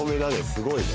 すごいね。